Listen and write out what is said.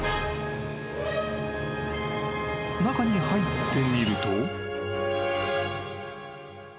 ［中に入ってみると］